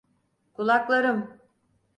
Kulaklarım!